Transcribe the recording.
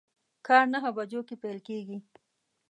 کار نهه بجو کی پیل کیږي